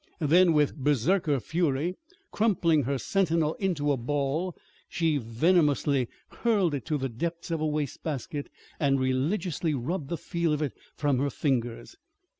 Then, with berserker fury, crumpling her Sentinel into a ball, she venomously hurled it to the depths of a waste basket and religiously rubbed the feel of it from her fingers.